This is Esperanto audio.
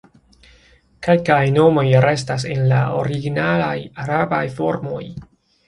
Kelkaj nomoj restas en la originalaj arabaj formoj.